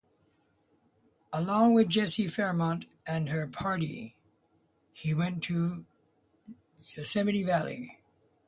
Along with Jessie Fremont and her party, he went to Yosemite Valley.